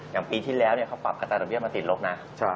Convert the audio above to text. อย่างปีที่แล้วเขาปรับอัตราดอกเบี้มาติดลบนะ